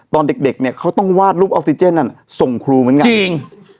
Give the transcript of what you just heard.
ตอนเด็กเนี่ยเขาต้องวาดรูปออกซิเจนส่งครูเหมือนกันจริง